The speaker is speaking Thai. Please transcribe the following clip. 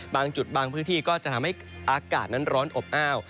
บางจุดบางพื้นที่ก็จะทำให้อากาศนั้นร้อนอบอ้าว